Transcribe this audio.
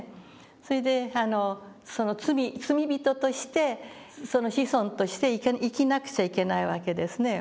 それで罪人としてその子孫として生きなくちゃいけないわけですね。